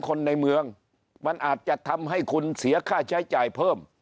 คนในเมืองมันอาจจะทำให้คุณเสียค่าใช้จ่ายเพิ่ม